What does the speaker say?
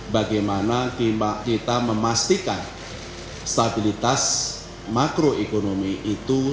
bagaimana kita memastikan stabilitas makroekonomi itu